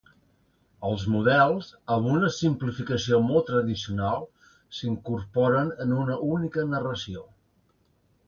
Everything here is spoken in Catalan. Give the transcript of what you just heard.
Els models, amb una simplificació molt tradicional, s'incorporen en una única narració.